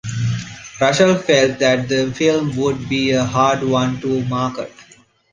Russell felt that the film would be a hard one to market.